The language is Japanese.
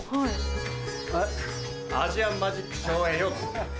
アジアンマジックショーへようこそ。